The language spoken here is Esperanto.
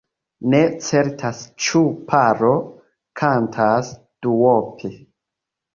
Ne certas ĉu paro kantas duope.